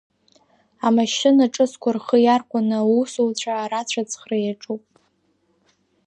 Амашьына ҿыцқәа рхы иархәаны, аусуцәа арацәаҵхра иаҿуп.